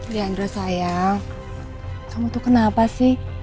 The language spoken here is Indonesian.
diandra sayang kamu tuh kenapa sih